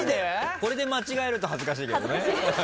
これで間違えると恥ずかしいけどね。